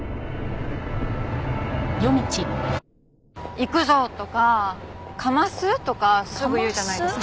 「いくぞ！」とか「かます」とかすぐ言うじゃないですか。